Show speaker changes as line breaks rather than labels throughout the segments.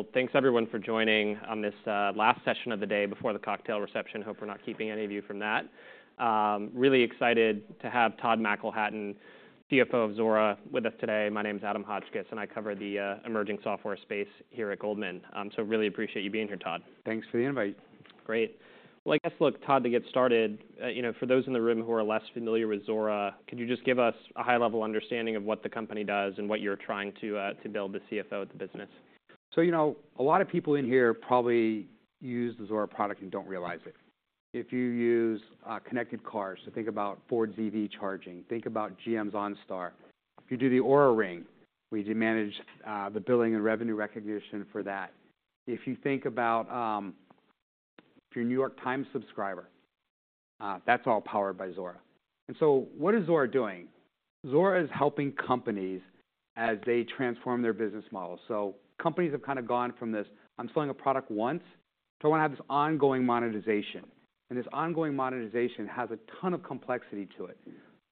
Great! Well, thanks everyone for joining on this last session of the day before the cocktail reception. Hope we're not keeping any of you from that. Really excited to have Todd McElhatton, CFO of Zuora, with us today. My name is Adam Hotchkiss, and I cover the emerging software space here at Goldman. So really appreciate you being here, Todd.
Thanks for the invite.
Great. Well, I guess, look, Todd, to get started, you know, for those in the room who are less familiar with Zuora, could you just give us a high-level understanding of what the company does and what you're trying to build as CFO of the business?
So, you know, a lot of people in here probably use the Zuora product and don't realize it. If you use connected cars, so think about Ford's EV charging, think about GM's OnStar. If you do the Oura Ring, we do manage the billing and revenue recognition for that. If you think about if you're a New York Times subscriber, that's all powered by Zuora. And so what is Zuora doing? Zuora is helping companies as they transform their business model. So companies have kind of gone from this, "I'm selling a product once, to I want to have this ongoing monetization," and this ongoing monetization has a ton of complexity to it.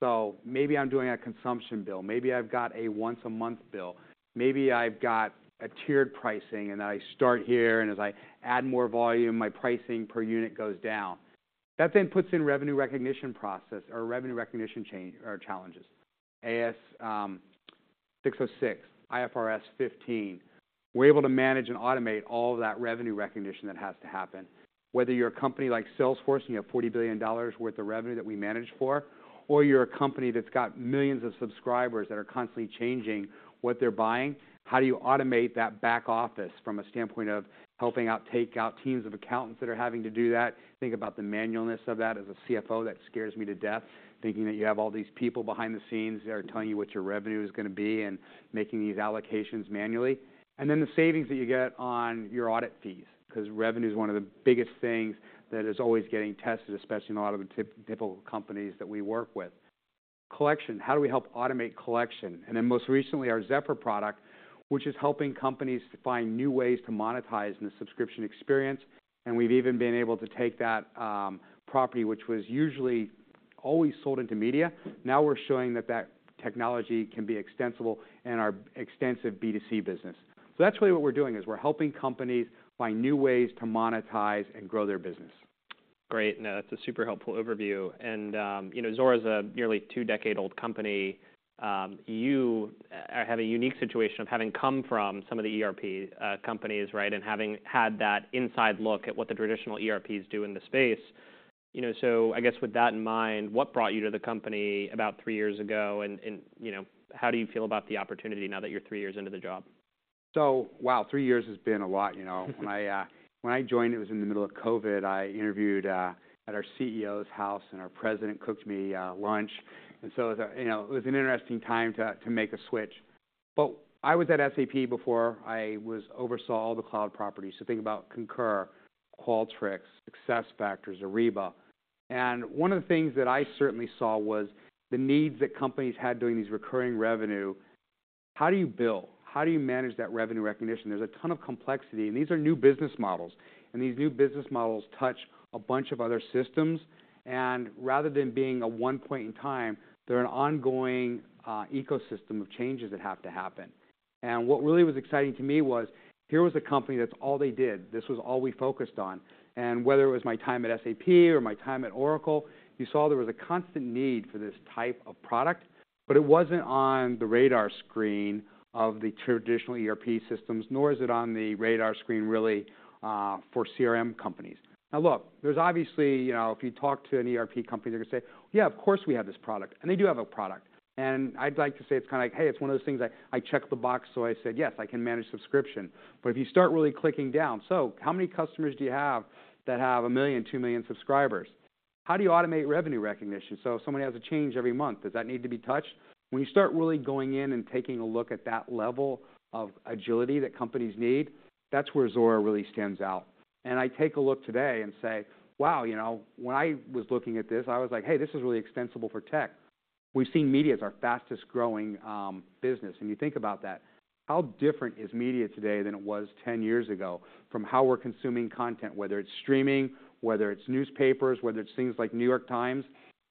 So maybe I'm doing a consumption bill, maybe I've got a once-a-month bill, maybe I've got a tiered pricing, and I start here, and as I add more volume, my pricing per unit goes down. That then puts in revenue recognition process or revenue recognition challenges. ASC 606, IFRS 15, we're able to manage and automate all of that revenue recognition that has to happen. Whether you're a company like Salesforce, and you have $40 billion worth of revenue that we manage for, or you're a company that's got millions of subscribers that are constantly changing what they're buying, how do you automate that back office from a standpoint of helping out take out teams of accountants that are having to do that? Think about the manualness of that. As a CFO, that scares me to death, thinking that you have all these people behind the scenes that are telling you what your revenue is going to be and making these allocations manually. And then the savings that you get on your audit fees, 'cause revenue is one of the biggest things that is always getting tested, especially in a lot of the typical companies that we work with. Collection, how do we help automate collection? And then, most recently, our Zephr product, which is helping companies to find new ways to monetize in the subscription experience, and we've even been able to take that, property, which was usually always sold into media. Now, we're showing that that technology can be extensible in our extensive B2C business. So that's really what we're doing, is we're helping companies find new ways to monetize and grow their business.
Great, no, that's a super helpful overview. And, you know, Zuora's a nearly two-decade-old company. You have a unique situation of having come from some of the ERP companies, right? And having had that inside look at what the traditional ERPs do in the space. You know, so I guess, with that in mind, what brought you to the company about three years ago, and, you know, how do you feel about the opportunity now that you're three years into the job?
So wow, three years has been a lot, you know. When I, when I joined, it was in the middle of COVID. I interviewed, at our CEO's house, and our president cooked me, lunch. And so, you know, it was an interesting time to make a switch. But I was at SAP before. I was oversaw all the cloud properties, so think about Concur, Qualtrics, SuccessFactors, Ariba. And one of the things that I certainly saw was the needs that companies had doing these recurring revenue. How do you bill? How do you manage that revenue recognition? There's a ton of complexity, and these are new business models, and these new business models touch a bunch of other systems, and rather than being a one point in time, they're an ongoing ecosystem of changes that have to happen. What really was exciting to me was, here was a company, that's all they did. This was all we focused on. And whether it was my time at SAP or my time at Oracle, you saw there was a constant need for this type of product, but it wasn't on the radar screen of the traditional ERP systems, nor is it on the radar screen, really, for CRM companies. Now, look, there's obviously, you know, if you talk to an ERP company, they're going to say, "Yeah, of course, we have this product." And they do have a product, and I'd like to say it's kind of like, "Hey, it's one of those things I checked the box, so I said, 'Yes, I can manage subscription.'" But if you start really clicking down, "So how many customers do you have that have 1 million, 2 million subscribers? How do you automate revenue recognition, so if somebody has a change every month, does that need to be touched?" When you start really going in and taking a look at that level of agility that companies need, that's where Zuora really stands out. I take a look today and say, "Wow, you know, when I was looking at this, I was like, 'Hey, this is really extensible for tech.'" We've seen media as our fastest-growing business, and you think about that. How different is media today than it was 10 years ago from how we're consuming content, whether it's streaming, whether it's newspapers, whether it's things like New York Times?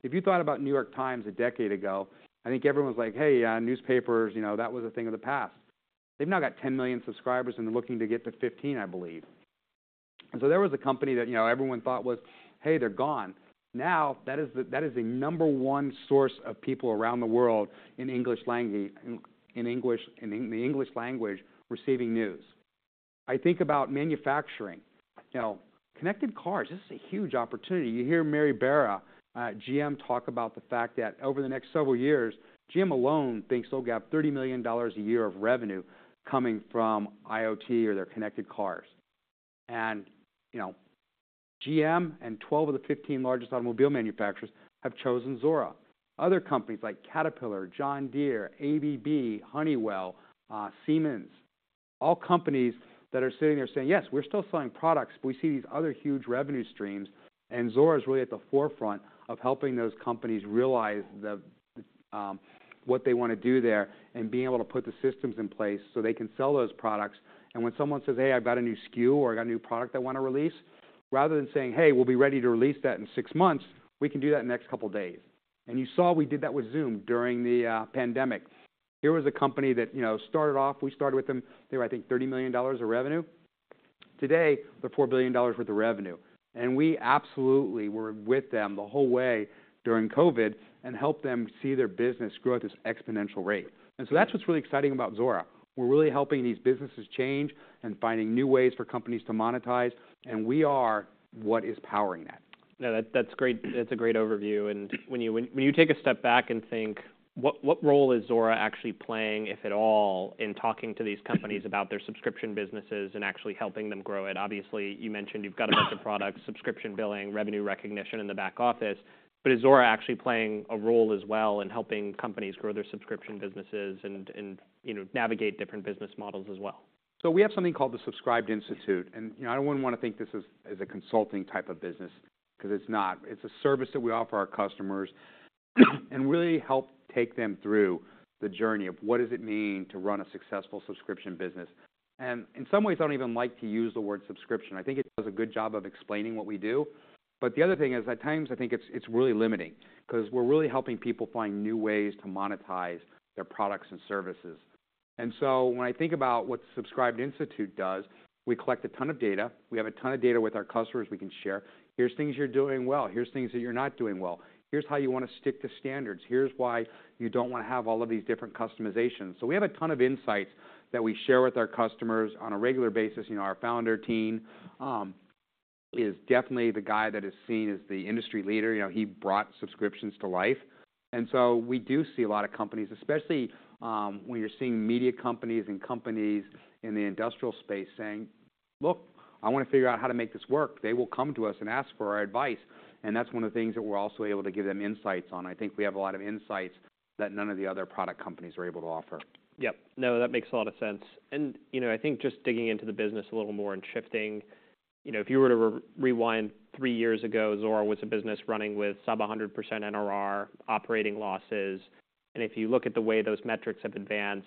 If you thought about New York Times a decade ago, I think everyone was like: "Hey, newspapers, you know, that was a thing of the past." They've now got 10 million subscribers, and they're looking to get to 15, I believe. So there was a company that, you know, everyone thought was, "Hey, they're gone." Now, that is the number one source of people around the world in English language receiving news. I think about manufacturing. You know, connected cars, this is a huge opportunity. You hear Mary Barra, GM, talk about the fact that over the next several years, GM alone thinks they'll grab $30 million a year of revenue coming from IoT or their connected cars. You know, GM and 12 of the 15 largest automobile manufacturers have chosen Zuora. Other companies like Caterpillar, John Deere, ABB, Honeywell, Siemens, all companies that are sitting there saying, "Yes, we're still selling products, but we see these other huge revenue streams," and Zuora is really at the forefront of helping those companies realize the what they want to do there, and being able to put the systems in place so they can sell those products. And when someone says, "Hey, I've got a new SKU, or I've got a new product I want to release," rather than saying, "Hey, we'll be ready to release that in six months," we can do that in the next couple of days. And you saw we did that with Zoom during the pandemic. Here was a company that, you know, started off, we started with them, they were, I think, $30 million of revenue. Today, they're $4 billion worth of revenue, and we absolutely were with them the whole way during COVID and helped them see their business grow at this exponential rate. So that's what's really exciting about Zuora. We're really helping these businesses change and finding new ways for companies to monetize, and we are what is powering that.
No, that's great. That's a great overview. And when you take a step back and think, what role is Zuora actually playing, if at all, in talking to these companies about their subscription businesses and actually helping them grow it? Obviously, you mentioned you've got a bunch of products, subscription, billing, revenue recognition in the back office, but is Zuora actually playing a role as well in helping companies grow their subscription businesses and, you know, navigate different business models as well?
So we have something called the Subscribed Institute, and, you know, I wouldn't want to think this is as a consulting type of business, 'cause it's not. It's a service that we offer our customers, and really help take them through the journey of what does it mean to run a successful subscription business. And in some ways, I don't even like to use the word subscription. I think it does a good job of explaining what we do, but the other thing is, at times I think it's, it's really limiting, 'cause we're really helping people find new ways to monetize their products and services. And so when I think about what Subscribed Institute does, we collect a ton of data. We have a ton of data with our customers we can share. Here's things you're doing well. Here's things that you're not doing well. Here's how you want to stick to standards. Here's why you don't want to have all of these different customizations. So we have a ton of insights that we share with our customers on a regular basis. You know, our founder, Tien, is definitely the guy that is seen as the industry leader. You know, he brought subscriptions to life. And so we do see a lot of companies, especially, when you're seeing media companies and companies in the industrial space saying, "Look, I want to figure out how to make this work," they will come to us and ask for our advice, and that's one of the things that we're also able to give them insights on. I think we have a lot of insights that none of the other product companies are able to offer.
Yep. No, that makes a lot of sense. And, you know, I think just digging into the business a little more and shifting, you know, if you were to rewind three years ago, Zuora was a business running with sub 100% NRR operating losses. And if you look at the way those metrics have advanced,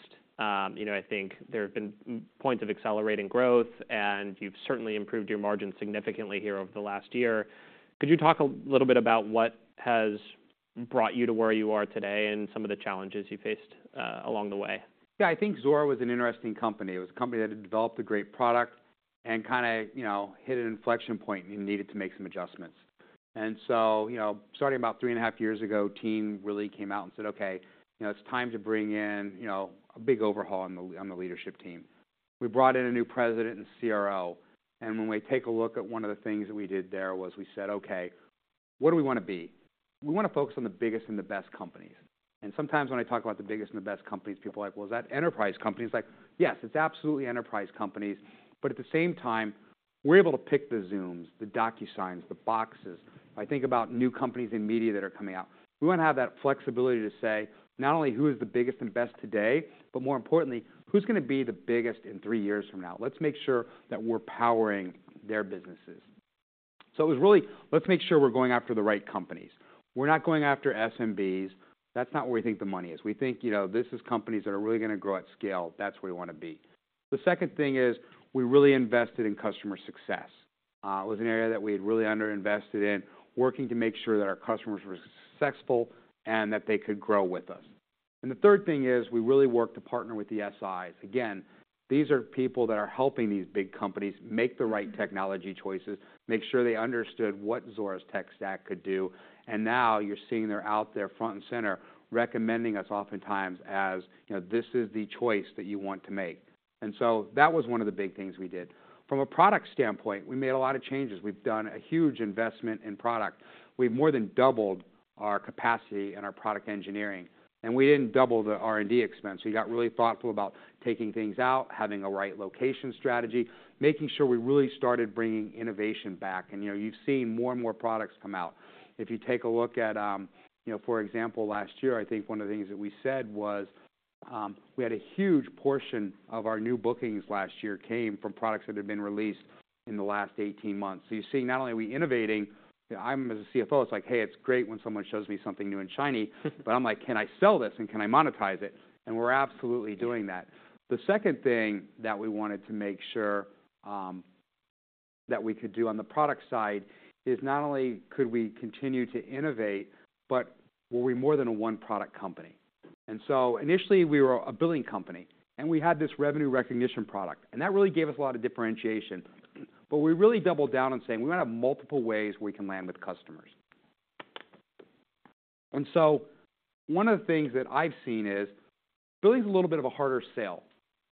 you know, I think there have been points of accelerating growth, and you've certainly improved your margins significantly here over the last year. Could you talk a little bit about what has brought you to where you are today and some of the challenges you faced along the way?
Yeah, I think Zuora was an interesting company. It was a company that had developed a great product and kind of, you know, hit an inflection point and needed to make some adjustments. So, you know, starting about 3.5 years ago, Tien really came out and said, "Okay, you know, it's time to bring in, you know, a big overhaul on the, on the leadership team." We brought in a new President and CRO, and when we take a look at one of the things that we did there was we said, "Okay, what do we want to be? We want to focus on the biggest and the best companies." And sometimes when I talk about the biggest and the best companies, people are like, "Well, is that enterprise companies?" Like, yes, it's absolutely enterprise companies, but at the same time, we're able to pick the Zooms, the DocuSigns, the Boxes. I think about new companies in media that are coming out. We want to have that flexibility to say not only who is the biggest and best today, but more importantly, who's gonna be the biggest in three years from now? Let's make sure that we're powering their businesses. So it was really, let's make sure we're going after the right companies. We're not going after SMBs. That's not where we think the money is. We think, you know, this is companies that are really gonna grow at scale. That's where we want to be. The second thing is, we really invested in customer success. It was an area that we had really underinvested in, working to make sure that our customers were successful and that they could grow with us. The third thing is, we really worked to partner with the SIs. Again, these are people that are helping these big companies make the right technology choices, make sure they understood what Zuora's tech stack could do, and now you're seeing they're out there front and center, recommending us oftentimes as, you know, this is the choice that you want to make. And so that was one of the big things we did. From a product standpoint, we made a lot of changes. We've done a huge investment in product. We've more than doubled our capacity and our product engineering, and we didn't double the R&D expense. We got really thoughtful about taking things out, having a right location strategy, making sure we really started bringing innovation back. And, you know, you've seen more and more products come out. If you take a look at, you know, for example, last year, I think one of the things that we said was, we had a huge portion of our new bookings last year came from products that had been released in the last 18 months. So you're seeing not only are we innovating, I'm, as a CFO, it's like, hey, it's great when someone shows me something new and shiny - but I'm like: Can I sell this, and can I monetize it? And we're absolutely doing that. The second thing that we wanted to make sure that we could do on the product side is not only could we continue to innovate, but were we more than a one-product company. And so initially, we were a billing company, and we had this revenue recognition product, and that really gave us a lot of differentiation. But we really doubled down on saying, "We're gonna have multiple ways we can land with customers." And so one of the things that I've seen is billing is a little bit of a harder sale,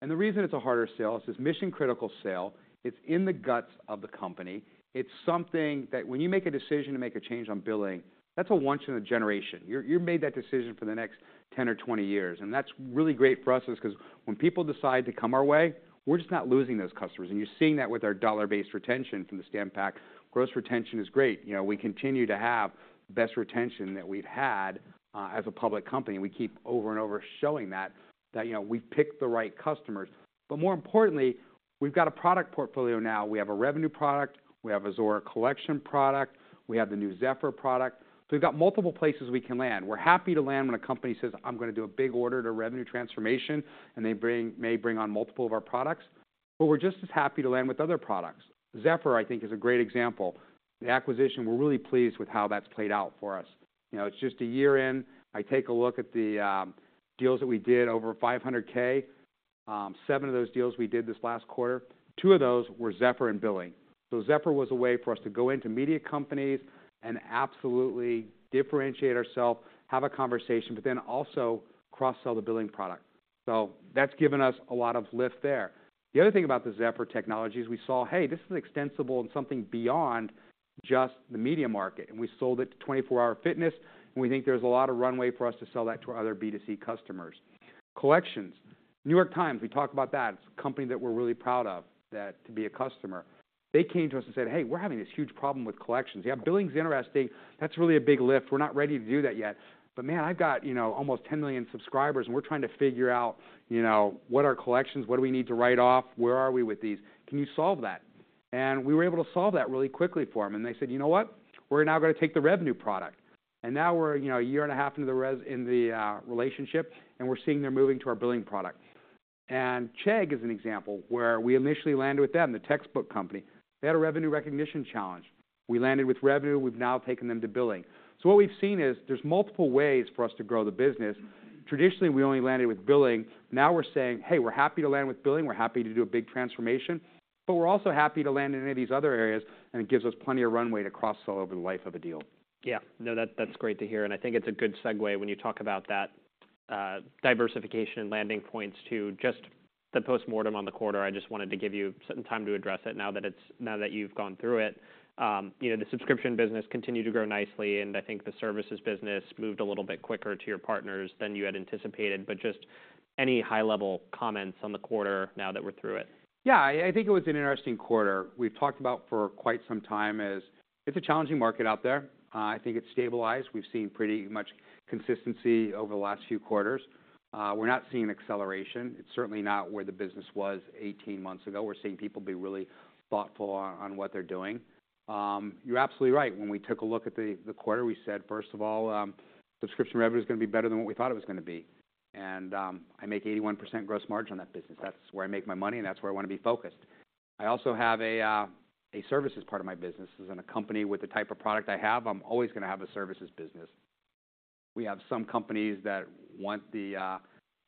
and the reason it's a harder sale is it's a mission-critical sale. It's in the guts of the company. It's something that when you make a decision to make a change on billing, that's a once in a generation. You're, you made that decision for the next 10 or 20 years, and that's really great for us 'cause when people decide to come our way, we're just not losing those customers, and you're seeing that with our dollar-based retention from the Standpack. Gross retention is great. You know, we continue to have the best retention that we've had as a public company. We keep over and over showing that, that, you know, we've picked the right customers, but more importantly, we've got a product portfolio now. We have a revenue product, we have a Zuora Collect product, we have the new Zephr product, so we've got multiple places we can land. We're happy to land when a company says, "I'm gonna do a big order to revenue transformation," and they bring- may bring on multiple of our products. But we're just as happy to land with other products. Zephr, I think, is a great example. The acquisition, we're really pleased with how that's played out for us. You know, it's just a year in. I take a look at the deals that we did over $500K, seven of those deals we did this last quarter, two of those were Zephr and billing. So Zephr was a way for us to go into media companies and absolutely differentiate ourself, have a conversation, but then also cross-sell the billing product. So that's given us a lot of lift there. The other thing about the Zephr technology is we saw, hey, this is extensible and something beyond just the media market, and we sold it to 24 Hour Fitness, and we think there's a lot of runway for us to sell that to our other B2C customers. Collections. New York Times, we talked about that. It's a company that we're really proud of, that to be a customer. They came to us and said, "Hey, we're having this huge problem with collections. Yeah, billing's interesting. That's really a big lift. We're not ready to do that yet, but, man, I've got, you know, almost 10 million subscribers, and we're trying to figure out, you know, what are collections, what do we need to write off? Where are we with these? Can you solve that?" And we were able to solve that really quickly for them. And they said, "You know what? We're now gonna take the revenue product." And now we're, you know, a year and a half into the relationship, and we're seeing they're moving to our billing product. And Chegg is an example where we initially landed with them, the textbook company. They had a revenue recognition challenge. We landed with revenue. We've now taken them to billing. So what we've seen is there's multiple ways for us to grow the business. Traditionally, we only landed with billing. Now we're saying, "Hey, we're happy to land with billing. We're happy to do a big transformation, but we're also happy to land in any of these other areas," and it gives us plenty of runway to cross-sell over the life of a deal.
Yeah. No, that, that's great to hear, and I think it's a good segue when you talk about that, diversification and landing points to just the postmortem on the quarter. I just wanted to give you some time to address it now that you've gone through it. You know, the subscription business continued to grow nicely, and I think the services business moved a little bit quicker to your partners than you had anticipated, but just any high-level comments on the quarter now that we're through it?
Yeah, I think it was an interesting quarter. We've talked about for quite some time, as it's a challenging market out there. I think it's stabilized. We've seen pretty much consistency over the last few quarters. We're not seeing acceleration. It's certainly not where the business was 18 months ago. We're seeing people be really thoughtful on what they're doing. You're absolutely right. When we took a look at the quarter, we said, first of all, subscription revenue is gonna be better than what we thought it was gonna be. And I make 81% gross margin on that business. That's where I make my money, and that's where I wanna be focused. I also have a services part of my business, as in a company with the type of product I have, I'm always gonna have a services business. We have some companies that want the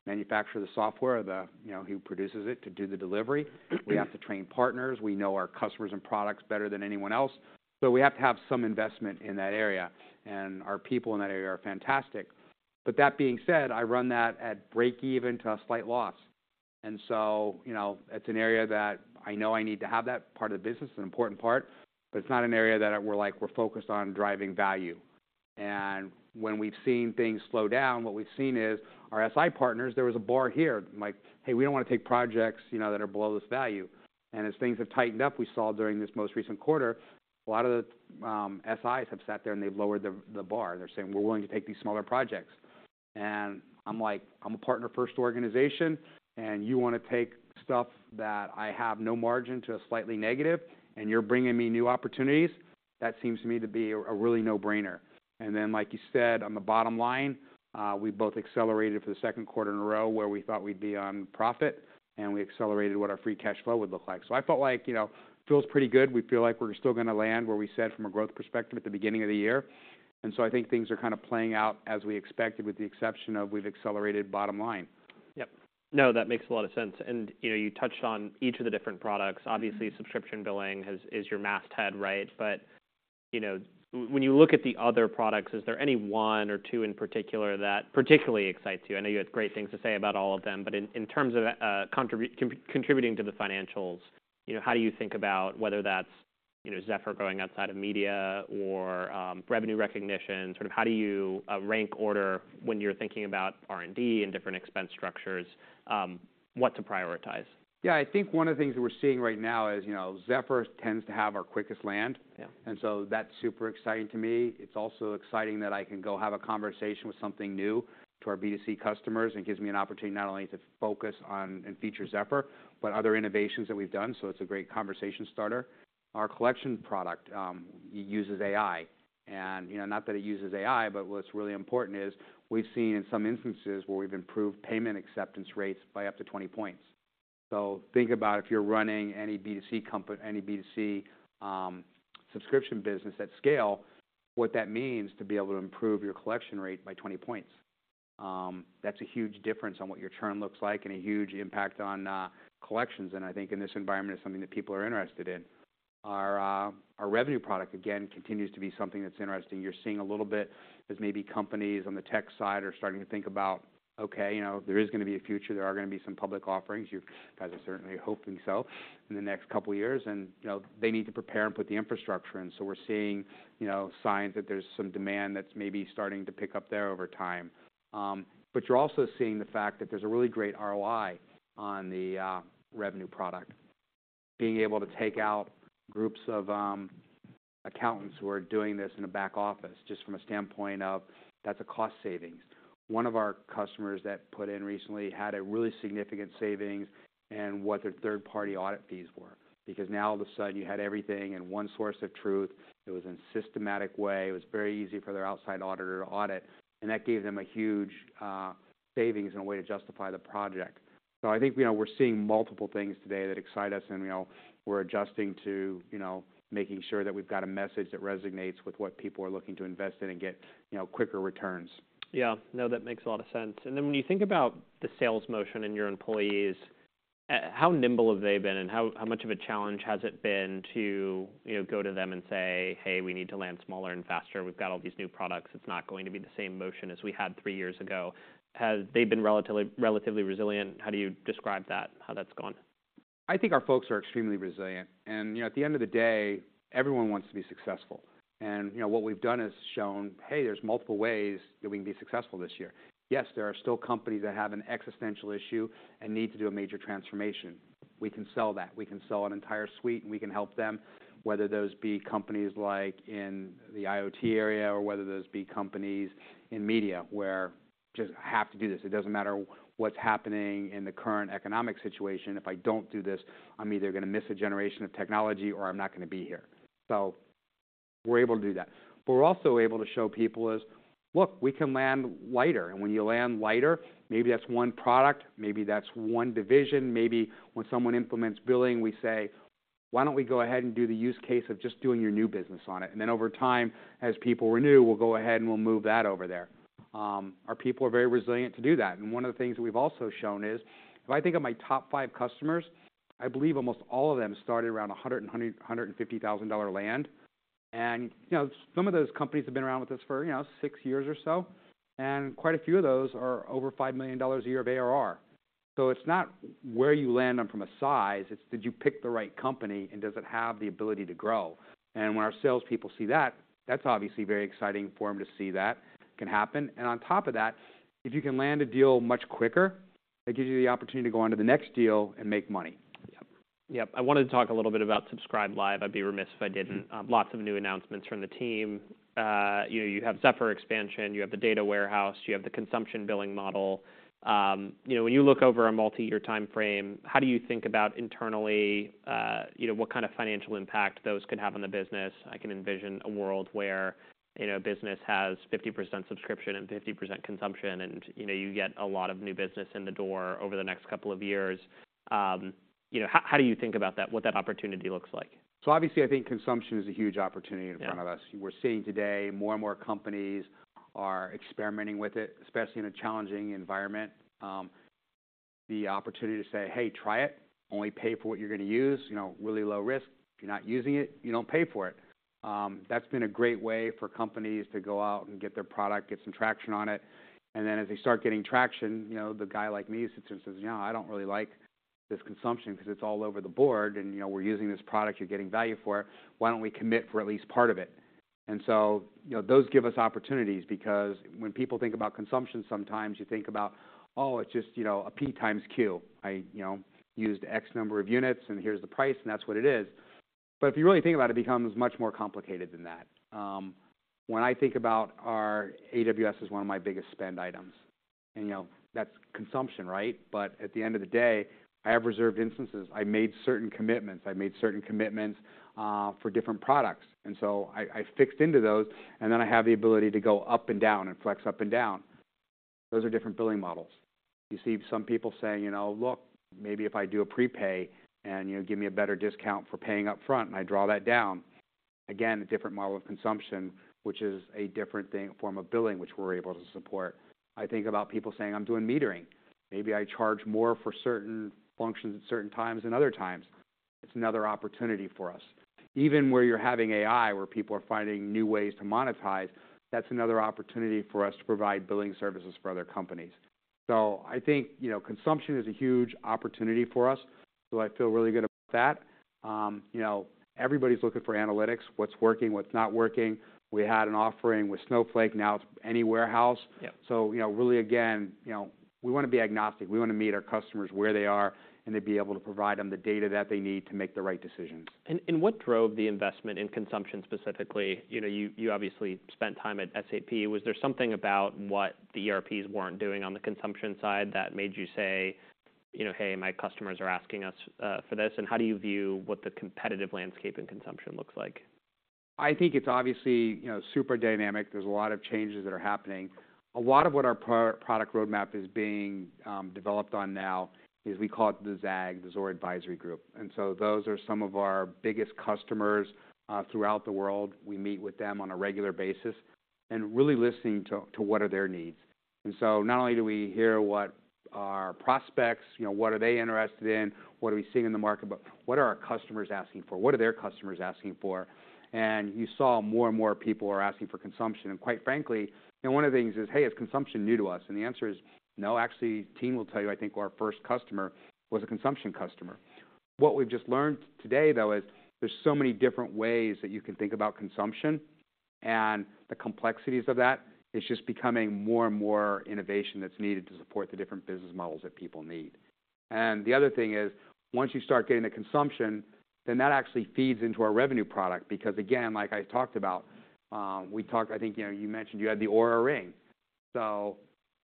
manufacturer of the software, the, you know, who produces it, to do the delivery. We have to train partners. We know our customers and products better than anyone else, so we have to have some investment in that area, and our people in that area are fantastic. But that being said, I run that at break even to a slight loss. And so, you know, it's an area that I know I need to have that part of the business, an important part, but it's not an area that we're like, we're focused on driving value. And when we've seen things slow down, what we've seen is our SI partners. There was a bar here, like, "Hey, we don't want to take projects, you know, that are below this value." And as things have tightened up, we saw during this most recent quarter, a lot of the SIs have sat there, and they've lowered the bar. They're saying, "We're willing to take these smaller projects." And I'm like, "I'm a partner-first organization, and you wanna take stuff that I have no margin to a slightly negative, and you're bringing me new opportunities? That seems to me to be a really no-brainer." And then, like you said, on the bottom line, we both accelerated for the second quarter in a row, where we thought we'd be on profit, and we accelerated what our free cash flow would look like. I felt like, you know, feels pretty good. We feel like we're still gonna land where we said from a growth perspective at the beginning of the year. So I think things are kind of playing out as we expected, with the exception of we've accelerated bottom line.
Yep. No, that makes a lot of sense. And, you know, you touched on each of the different products. Obviously, subscription billing is your masthead, right? But, you know, when you look at the other products, is there any one or two in particular that particularly excites you? I know you have great things to say about all of them, but in terms of contributing to the financials, you know, how do you think about whether that's, you know, Zephr going outside of media or revenue recognition, sort of how do you rank order when you're thinking about R&D and different expense structures, what to prioritize?
Yeah, I think one of the things that we're seeing right now is, you know, Zephr tends to have our quickest land.
Yeah.
That's super exciting to me. It's also exciting that I can go have a conversation with something new to our B2C customers, and it gives me an opportunity not only to focus on and feature Zephr, but other innovations that we've done, so it's a great conversation starter. Our collection product uses AI, and, you know, not that it uses AI, but what's really important is we've seen in some instances where we've improved payment acceptance rates by up to 20 points. Think about if you're running any B2C any B2C subscription business at scale, what that means to be able to improve your collection rate by 20 points. That's a huge difference on what your churn looks like and a huge impact on collections, and I think in this environment, it's something that people are interested in. Our our revenue product, again, continues to be something that's interesting. You're seeing a little bit as maybe companies on the tech side are starting to think about, okay, you know, there is gonna be a future, there are gonna be some public offerings. You guys are certainly hoping so in the next couple of years, and, you know, they need to prepare and put the infrastructure in. So we're seeing, you know, signs that there's some demand that's maybe starting to pick up there over time. But you're also seeing the fact that there's a really great ROI on the revenue product. Being able to take out groups of accountants who are doing this in a back office, just from a standpoint of that's a cost savings. One of our customers that put in recently had a really significant savings in what their third-party audit fees were, because now all of a sudden, you had everything in one source of truth. It was in systematic way. It was very easy for their outside auditor to audit, and that gave them a huge savings and a way to justify the project.... So I think, you know, we're seeing multiple things today that excite us, and, you know, we're adjusting to, you know, making sure that we've got a message that resonates with what people are looking to invest in and get, you know, quicker returns.
Yeah. No, that makes a lot of sense. And then when you think about the sales motion and your employees, how nimble have they been, and how much of a challenge has it been to, you know, go to them and say, "Hey, we need to land smaller and faster. We've got all these new products. It's not going to be the same motion as we had three years ago." Have they been relatively resilient? How do you describe that, how that's gone?
I think our folks are extremely resilient. You know, at the end of the day, everyone wants to be successful. You know, what we've done is shown, hey, there's multiple ways that we can be successful this year. Yes, there are still companies that have an existential issue and need to do a major transformation. We can sell that. We can sell an entire suite, and we can help them, whether those be companies like in the IoT area or whether those be companies in media, where just have to do this. It doesn't matter what's happening in the current economic situation. If I don't do this, I'm either gonna miss a generation of technology or I'm not gonna be here. So we're able to do that. But we're also able to show people is, Look, we can land lighter, and when you land lighter, maybe that's one product, maybe that's one division. Maybe when someone implements billing, we say, "Why don't we go ahead and do the use case of just doing your new business on it? And then over time, as people renew, we'll go ahead, and we'll move that over there." Our people are very resilient to do that. And one of the things we've also shown is, if I think of my top five customers, I believe almost all of them started around $100-$150,000 land. And, you know, some of those companies have been around with us for, you know, six years or so, and quite a few of those are over $5 million a year of ARR. It's not where you land them from a size, it's did you pick the right company, and does it have the ability to grow? When our salespeople see that, that's obviously very exciting for them to see that can happen. On top of that, if you can land a deal much quicker, it gives you the opportunity to go on to the next deal and make money.
Yep. Yep, I wanted to talk a little bit about Subscribe Live. I'd be remiss if I didn't.
Mm-hmm.
Lots of new announcements from the team. You know, you have Zephr expansion, you have the data warehouse, you have the consumption billing model. You know, when you look over a multi-year time frame, how do you think about internally, you know, what kind of financial impact those could have on the business? I can envision a world where, you know, a business has 50% subscription and 50% consumption, and, you know, you get a lot of new business in the door over the next couple of years. You know, how do you think about that, what that opportunity looks like?
Obviously, I think consumption is a huge opportunity in front of us.
Yeah.
We're seeing today more and more companies are experimenting with it, especially in a challenging environment. The opportunity to say, "Hey, try it. Only pay for what you're gonna use, you know, really low risk. If you're not using it, you don't pay for it." That's been a great way for companies to go out and get their product, get some traction on it, and then as they start getting traction, you know, the guy like me sits and says, "You know, I don't really like this consumption because it's all over the board, and, you know, we're using this product. You're getting value for it. Why don't we commit for at least part of it?" And so, you know, those give us opportunities because when people think about consumption, sometimes you think about, oh, it's just, you know, a P times Q. I, you know, used X number of units, and here's the price, and that's what it is. But if you really think about it, it becomes much more complicated than that. When I think about our AWS is one of my biggest spend items, and, you know, that's consumption, right? But at the end of the day, I have reserved instances. I made certain commitments. I made certain commitments, for different products, and so I, I fixed into those, and then I have the ability to go up and down and flex up and down. Those are different billing models. You see some people saying, "You know, look, maybe if I do a prepay and, you know, give me a better discount for paying up front, and I draw that down." Again, a different model of consumption, which is a different thing, form of billing, which we're able to support. I think about people saying, "I'm doing metering. Maybe I charge more for certain functions at certain times than other times." It's another opportunity for us. Even where you're having AI, where people are finding new ways to monetize, that's another opportunity for us to provide billing services for other companies. So I think, you know, consumption is a huge opportunity for us, so I feel really good about that. You know, everybody's looking for analytics, what's working, what's not working. We had an offering with Snowflake, now it's any warehouse.
Yep.
So, you know, really, again, you know, we want to be agnostic. We want to meet our customers where they are and to be able to provide them the data that they need to make the right decisions.
What drove the investment in consumption specifically? You know, you obviously spent time at SAP. Was there something about what the ERPs weren't doing on the consumption side that made you say, you know, "Hey, my customers are asking us for this"? How do you view what the competitive landscape in consumption looks like?
I think it's obviously, you know, super dynamic. There's a lot of changes that are happening. A lot of what our product roadmap is being developed on now is we call it the ZAG, the Zuora Advisory Group, and so those are some of our biggest customers throughout the world. We meet with them on a regular basis and really listening to what are their needs. And so not only do we hear what our prospects, you know, what are they interested in, what are we seeing in the market, but what are our customers asking for? What are their customers asking for? And you saw more and more people are asking for consumption. And quite frankly, you know, one of the things is, hey, is consumption new to us? And the answer is no. Actually, the team will tell you, I think our first customer was a consumption customer. What we've just learned today, though, is there's so many different ways that you can think about consumption and the complexities of that. It's just becoming more and more innovation that's needed to support the different business models that people need. And the other thing is, once you start getting the consumption, then that actually feeds into our revenue product because, again, like I talked about, I think, you know, you mentioned you had the Oura Ring, so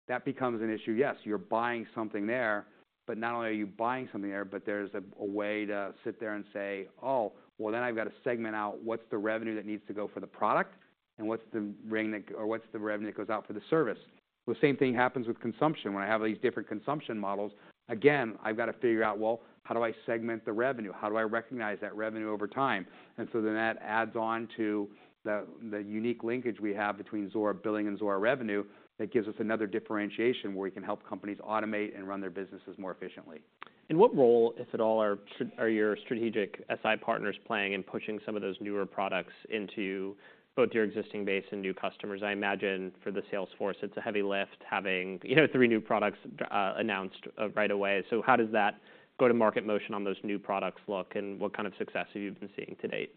that becomes an issue. Yes, you're buying something there, but not only are you buying something there, but there's a way to sit there and say, "Oh, well, then I've got to segment out what's the revenue that needs to go for the product and what's the ring that... or what's the revenue that goes out for the service?"... Well, same thing happens with consumption. When I have these different consumption models, again, I've got to figure out: Well, how do I segment the revenue? How do I recognize that revenue over time? And so then that adds on to the unique linkage we have between Zuora Billing and Zuora Revenue. That gives us another differentiation, where we can help companies automate and run their businesses more efficiently.
What role, if at all, are your strategic SI partners playing in pushing some of those newer products into both your existing base and new customers? I imagine for the sales force, it's a heavy lift, having, you know, three new products announced right away. So how does that go-to-market motion on those new products look, and what kind of success have you been seeing to date?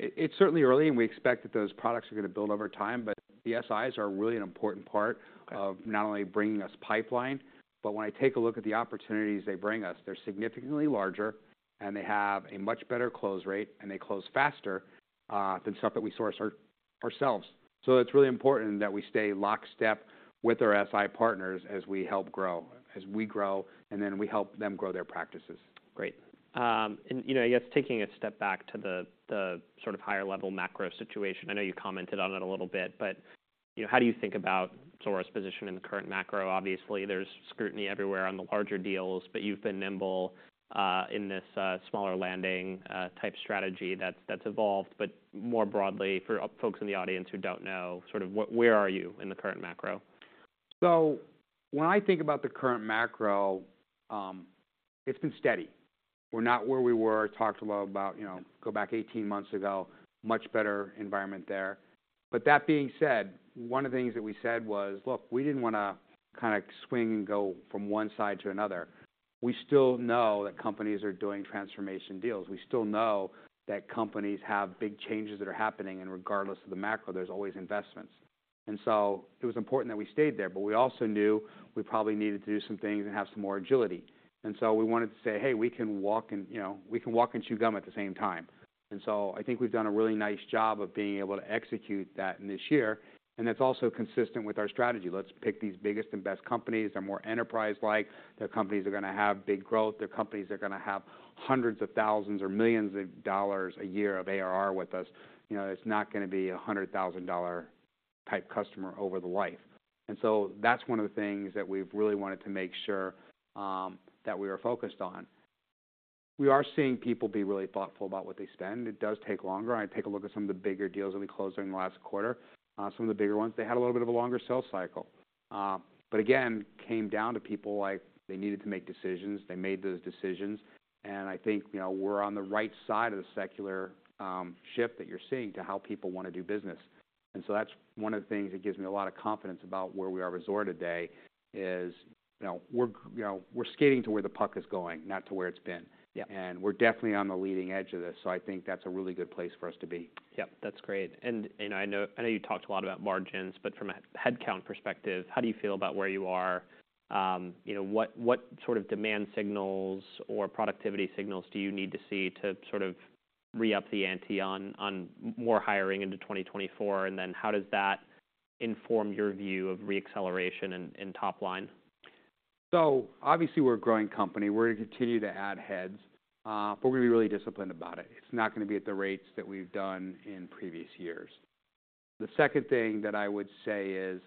It's certainly early, and we expect that those products are going to build over time. But the SIs are really an important part-
Okay...
of not only bringing us pipeline, but when I take a look at the opportunities they bring us, they're significantly larger, and they have a much better close rate, and they close faster than stuff that we source ourselves. So it's really important that we stay lockstep with our SI partners as we help grow as we grow, and then we help them grow their practices.
Great. You know, I guess taking a step back to the sort of higher level macro situation, I know you commented on it a little bit, but, you know, how do you think about Zuora's position in the current macro? Obviously, there's scrutiny everywhere on the larger deals, but you've been nimble in this smaller landing type strategy that's evolved. But more broadly, for folks in the audience who don't know, sort of where are you in the current macro?
So when I think about the current macro, it's been steady. We're not where we were. I talked about, you know, go back 18 months ago, much better environment there. But that being said, one of the things that we said was, "Look, we didn't want to kind of swing and go from one side to another." We still know that companies are doing transformation deals. We still know that companies have big changes that are happening, and regardless of the macro, there's always investments. And so it was important that we stayed there, but we also knew we probably needed to do some things and have some more agility. And so we wanted to say, "Hey, we can walk and, you know, we can walk and chew gum at the same time." And so I think we've done a really nice job of being able to execute that in this year, and that's also consistent with our strategy. Let's pick these biggest and best companies. They're more enterprise-like. Their companies are going to have big growth. Their companies are going to have hundreds of thousands or millions of dollars a year of ARR with us. You know, it's not going to be a $100,000-type customer over the life. And so that's one of the things that we've really wanted to make sure that we are focused on. We are seeing people be really thoughtful about what they spend. It does take longer. I take a look at some of the bigger deals that we closed during the last quarter. Some of the bigger ones, they had a little bit of a longer sales cycle. But again, came down to people like, they needed to make decisions, they made those decisions, and I think, you know, we're on the right side of the secular shift that you're seeing to how people want to do business. And so that's one of the things that gives me a lot of confidence about where we are as Zuora today, is, you know, we're, you know, we're skating to where the puck is going, not to where it's been.
Yeah.
We're definitely on the leading edge of this, so I think that's a really good place for us to be.
Yep, that's great. And I know you talked a lot about margins, but from a headcount perspective, how do you feel about where you are? You know, what sort of demand signals or productivity signals do you need to see to sort of re-up the ante on more hiring into 2024? And then how does that inform your view of re-acceleration in top line?
So obviously, we're a growing company. We're going to continue to add heads, but we're going to be really disciplined about it. It's not going to be at the rates that we've done in previous years. The second thing that I would say is,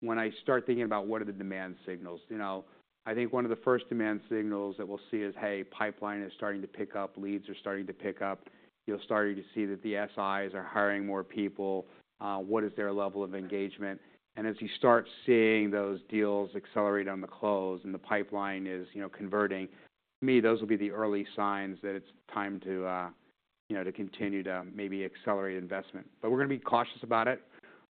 when I start thinking about what are the demand signals, you know, I think one of the first demand signals that we'll see is, hey, pipeline is starting to pick up, leads are starting to pick up. You're starting to see that the SIs are hiring more people. What is their level of engagement? And as you start seeing those deals accelerate on the close and the pipeline is, you know, converting, to me, those will be the early signs that it's time to, you know, to continue to maybe accelerate investment. But we're going to be cautious about it.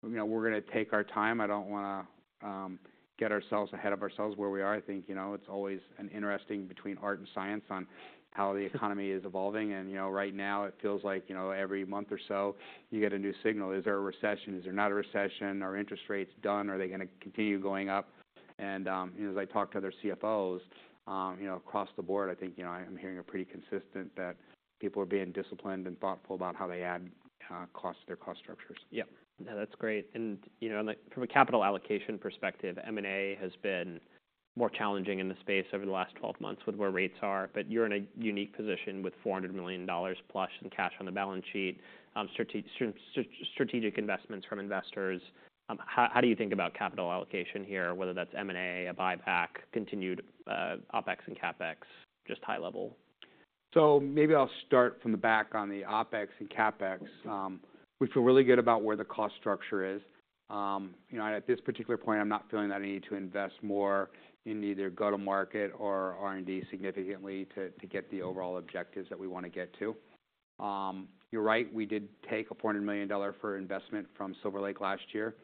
You know, we're going to take our time. I don't want to get ourselves ahead of ourselves where we are. I think, you know, it's always an interesting between art and science on how the economy is evolving. And, you know, right now it feels like, you know, every month or so you get a new signal. Is there a recession? Is there not a recession? Are interest rates done, or are they going to continue going up? And, you know, as I talk to other CFOs, you know, across the board, I think, you know, I'm hearing it pretty consistent, that people are being disciplined and thoughtful about how they add cost to their cost structures.
Yep. No, that's great. And, you know, like from a capital allocation perspective, M&A has been more challenging in the space over the last 12 months with where rates are, but you're in a unique position with $400 million plus in cash on the balance sheet, strategic investments from investors. How, how do you think about capital allocation here, whether that's M&A, a buyback, continued OpEx and CapEx, just high level?
So maybe I'll start from the back on the OpEx and CapEx. We feel really good about where the cost structure is. You know, at this particular point, I'm not feeling that I need to invest more in either go-to-market or R&D significantly, to get the overall objectives that we want to get to. You're right, we did take a $400 million investment from Silver Lake last year.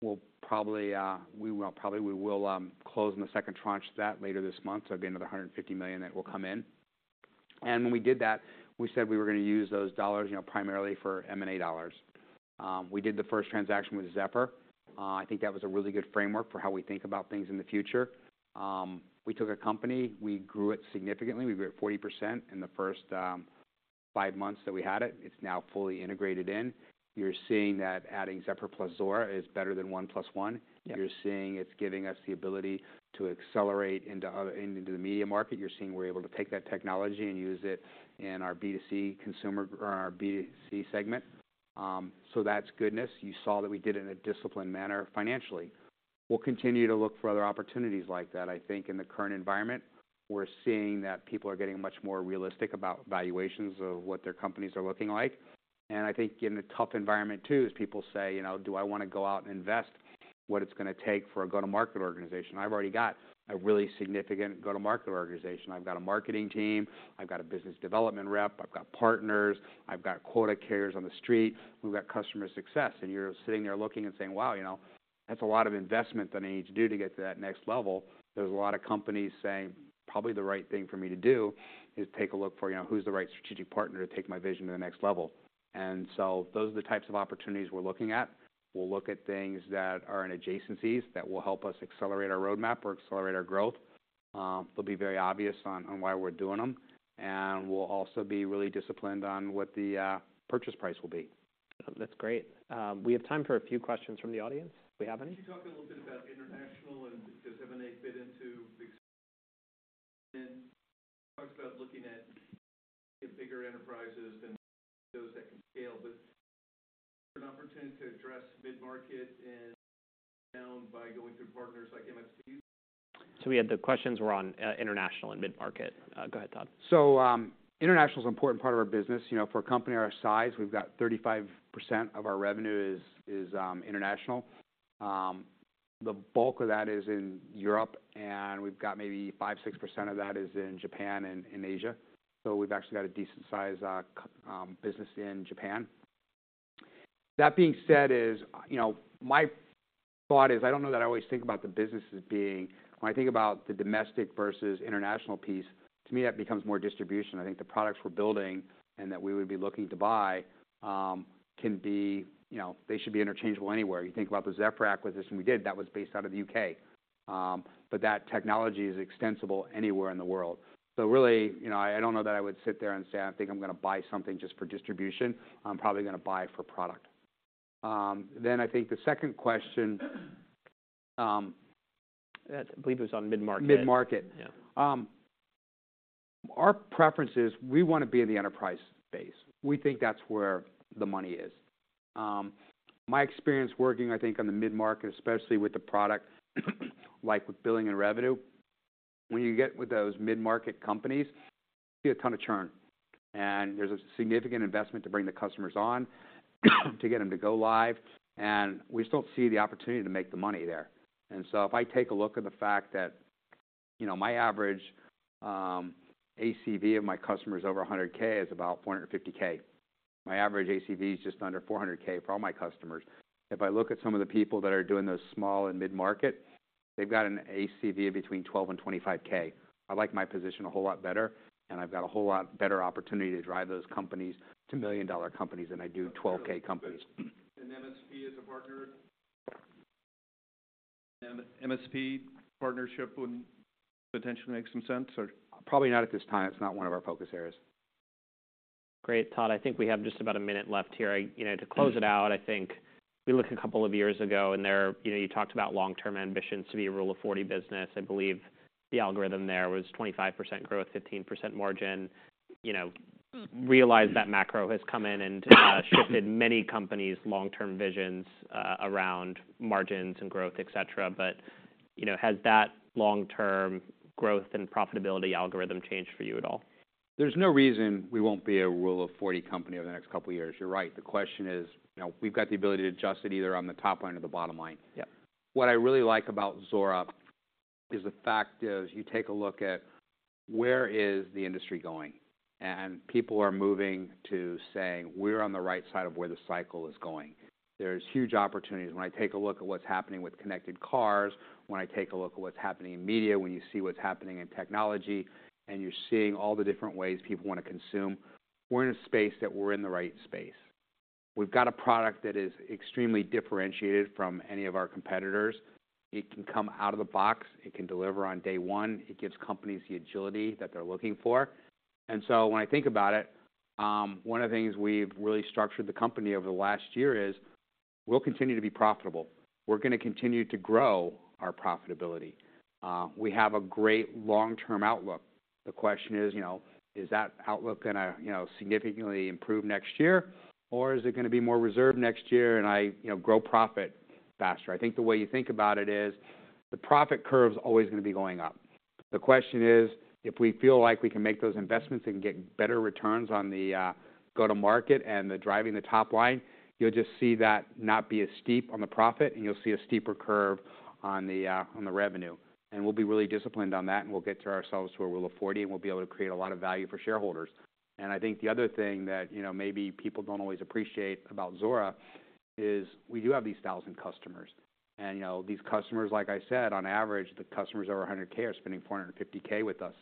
We'll probably, we will probably, we will, close in the second tranche to that later this month. So it'll be another $150 million that will come in. And when we did that, we said we were going to use those dollars, you know, primarily for M&A dollars. We did the first transaction with Zephr. I think that was a really good framework for how we think about things in the future. We took a company, we grew it significantly. We grew it 40% in the first five months that we had it. It's now fully integrated in. You're seeing that adding Zephr plus Zuora is better than one plus one.
Yep.
You're seeing it's giving us the ability to accelerate into the media market. You're seeing we're able to take that technology and use it in our B2C consumer, or our B2C segment. So that's goodness. You saw that we did it in a disciplined manner financially.... We'll continue to look for other opportunities like that. I think in the current environment, we're seeing that people are getting much more realistic about valuations of what their companies are looking like. And I think in a tough environment, too, is people say, "You know, do I want to go out and invest what it's going to take for a go-to-market organization? I've already got a really significant go-to-market organization. I've got a marketing team, I've got a business development rep, I've got partners, I've got quota carriers on the street, we've got customer success." And you're sitting there looking and saying: "Wow, you know, that's a lot of investment that I need to do to get to that next level." There's a lot of companies saying, "Probably the right thing for me to do is take a look for, you know, who's the right strategic partner to take my vision to the next level." And so those are the types of opportunities we're looking at. We'll look at things that are in adjacencies that will help us accelerate our roadmap or accelerate our growth. They'll be very obvious on why we're doing them, and we'll also be really disciplined on what the purchase price will be.
That's great. We have time for a few questions from the audience, if we have any.
Could you talk a little bit about international and does M&A fit into the... You talked about looking at bigger enterprises than those that can scale, but an opportunity to address mid-market and down by going through partners like MSPs?
So we had the questions were on international and mid-market. Go ahead, Todd.
So international is an important part of our business. You know, for a company our size, we've got 35% of our revenue is international. The bulk of that is in Europe, and we've got maybe 5-6% of that is in Japan and in Asia. So we've actually got a decent size business in Japan. That being said, you know, my thought is, I don't know that I always think about the business as being... When I think about the domestic versus international piece, to me that becomes more distribution. I think the products we're building and that we would be looking to buy can be, you know, they should be interchangeable anywhere. You think about the Zephr acquisition we did, that was based out of the UK, but that technology is extensible anywhere in the world. So really, you know, I, I don't know that I would sit there and say, "I think I'm going to buy something just for distribution." I'm probably going to buy it for product. Then I think the second question,
I believe it was on mid-market.
Mid-market.
Yeah.
Our preference is we want to be in the enterprise space. We think that's where the money is. My experience working, I think, on the mid-market, especially with the product, like with billing and revenue, when you get with those mid-market companies, you see a ton of churn, and there's a significant investment to bring the customers on, to get them to go live, and we still see the opportunity to make the money there. And so if I take a look at the fact that, you know, my average ACV of my customers over $100K is about $450K. My average ACV is just under $400K for all my customers. If I look at some of the people that are doing those small and mid-market, they've got an ACV of between $12K-$25K. I like my position a whole lot better, and I've got a whole lot better opportunity to drive those companies to million-dollar companies than I do 12K companies.
MSP is a partner? And MSP partnership would potentially make some sense, or?
Probably not at this time. It's not one of our focus areas.
Great, Todd. I think we have just about a minute left here. I... You know, to close it out, I think we look a couple of years ago, and there, you know, you talked about long-term ambitions to be a Rule of 40 business. I believe the algorithm there was 25% growth, 15% margin. You know, realize that macro has come in and shifted many companies' long-term visions around margins and growth, et cetera. But, you know, has that long-term growth and profitability algorithm changed for you at all?
There's no reason we won't be a Rule of 40 company over the next couple of years. You're right. The question is, you know, we've got the ability to adjust it either on the top line or the bottom line.
Yeah.
What I really like about Zuora is the fact is, you take a look at where is the industry going, and people are moving to saying: "We're on the right side of where the cycle is going." There's huge opportunities. When I take a look at what's happening with connected cars, when I take a look at what's happening in media, when you see what's happening in technology, and you're seeing all the different ways people want to consume, we're in a space that we're in the right space. We've got a product that is extremely differentiated from any of our competitors. It can come out of the box. It can deliver on day one. It gives companies the agility that they're looking for. So when I think about it, one of the things we've really structured the company over the last year is, we'll continue to be profitable. We're going to continue to grow our profitability. We have a great long-term outlook. The question is, you know, is that outlook going to, you know, significantly improve next year, or is it going to be more reserved next year and I, you know, grow profit faster? I think the way you think about it is, the profit curve's always going to be going up. The question is, if we feel like we can make those investments and get better returns on the go-to-market and the driving the top line, you'll just see that not be as steep on the profit, and you'll see a steeper curve on the revenue. We'll be really disciplined on that, and we'll get ourselves to a Rule of 40, and we'll be able to create a lot of value for shareholders. And I think the other thing that, you know, maybe people don't always appreciate about Zuora is we do have these 1,000 customers, and, you know, these customers, like I said, on average, the customers that are 100K are spending 450K with us.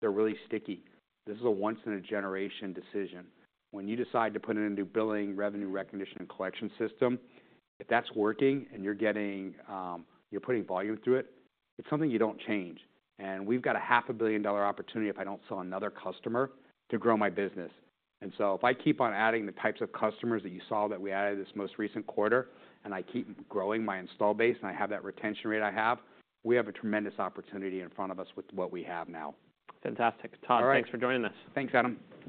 They're really sticky. This is a once-in-a-generation decision. When you decide to put in a new billing, revenue recognition, and collection system, if that's working and you're getting, you're putting volume through it, it's something you don't change. And we've got a $500 million opportunity if I don't sell another customer to grow my business. And so, if I keep on adding the types of customers that you saw that we added this most recent quarter, and I keep growing my install base, and I have that retention rate I have, we have a tremendous opportunity in front of us with what we have now.
Fantastic.
All right.
Todd, thanks for joining us.
Thanks, Adam.